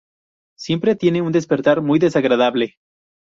Siempre tiene un despertar muy desagradable.